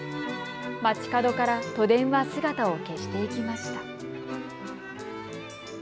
街角から都電は姿を消していきました。